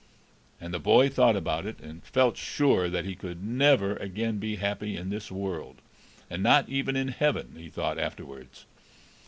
And the boy thought about it, and felt sure that he could never again be happy in this world, and not even in heaven, he thought, afterwards.